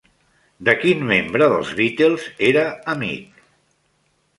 De quin membre dels Beatles era amic?